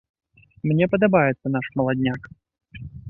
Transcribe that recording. Мне падабаецца наш маладняк.